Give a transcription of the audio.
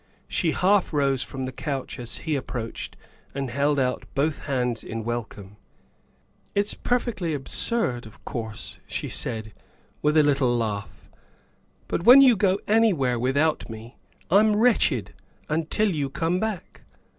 She half rose from the couch as he approached and held out both hands in welcome. ' It's perfectly absurd, of course," she said, with a little laugh, " but when you go anywhere without me I 'm wretched until you come back.